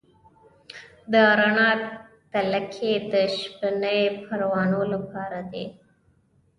د رڼا تلکې د شپنۍ پروانو لپاره دي؟